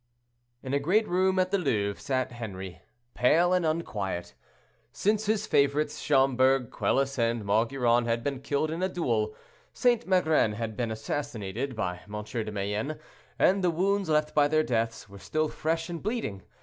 In a great room at the Louvre sat Henri, pale and unquiet. Since his favorites, Schomberg, Quelus and Maugiron had been killed in a duel, St. Megrin had been assassinated by M. de Mayenne, and the wounds left by their deaths were still fresh and bleeding.